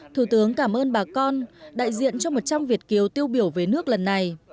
thủ tướng cảm ơn bà con đại diện cho một trăm linh việt kiều tiêu biểu về nước lần này